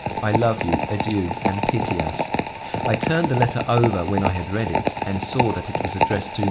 I love you; adieu, and pity us." I turned the letter over when I had read it, and saw that it was addressed to "M.